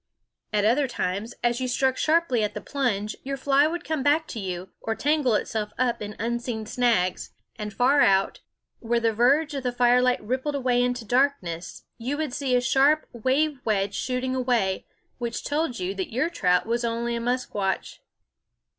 At other times, as you struck sharply at the plunge, your fly would come back to you, or tangle itself up in unseen snags ; and far out, where the verge of the firelight rippled away into darkness, you would see a sharp wave wedge shooting away ; which told you that your trout was only a musquash.